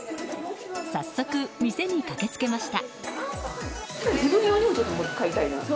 早速、店に駆けつけました。